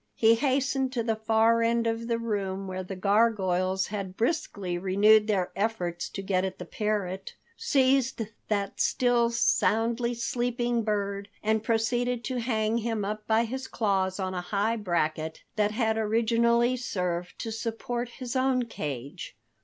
He hastened to the far end of the room where the gargoyles had briskly renewed their efforts to get at the parrot, seized that still soundly sleeping bird, and proceeded to hang him up by his claws on a high bracket that had originally served to support his own cage.